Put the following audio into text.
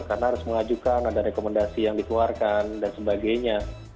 karena harus mengajukan ada rekomendasi yang dikeluarkan dan sebagainya